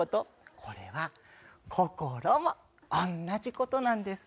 これは心もおんなじことなんです。